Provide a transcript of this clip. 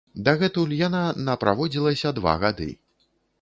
Дагэтуль яна на праводзілася два гады.